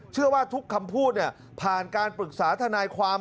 เชื่อว่าทุกคำพูดผ่านการปรึกษาทนายความ